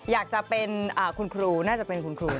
อยากจะเป็นคุณครูน่าจะเป็นคุณครู